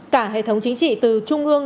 cả hệ thống chính trị từ trung ương